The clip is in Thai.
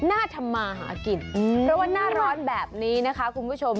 น่าทำมาหากินเพราะว่าหน้าร้อนแบบนี้นะคะคุณผู้ชม